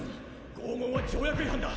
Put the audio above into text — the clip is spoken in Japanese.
拷問は条約違反だ。